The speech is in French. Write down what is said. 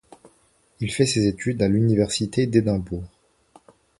Il fait ses études à l'université d'Édimbourg.